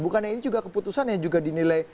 bukannya ini juga keputusan yang juga dinilai